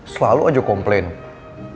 selalu aja komplain gue sama bu nawang